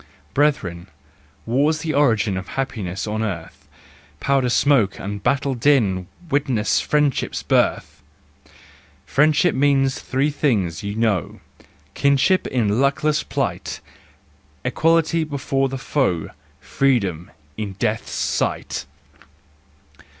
Brethren, war's the origin Of happiness on earth : Powder smoke and battle din Witness friendship's birth! Friendship means three things, you know,— Kinship in luckless plight, Equality before the foe Freedom—in death's sight!